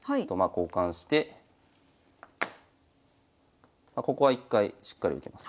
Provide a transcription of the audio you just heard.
交換してここは一回しっかり受けます。